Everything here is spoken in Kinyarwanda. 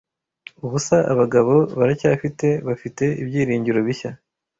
'Ubusa abagabo baracyafite, bafite ibyiringiro bishya,